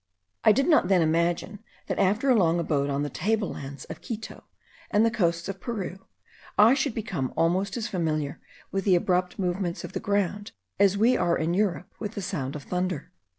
I did not then imagine, that after a long abode on the table lands of Quito and the coasts of Peru, I should become almost as familiar with the abrupt movements of the ground as we are in Europe with the sound of thunder.